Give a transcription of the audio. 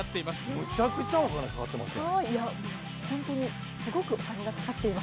めちゃくちゃお金かかってますやん。